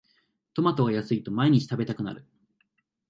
トマトが安いと毎日食べたくなる